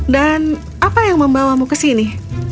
dan apa yang membawamu ke sini